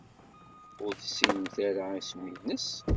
Ur tessinemt ara isem-nnes?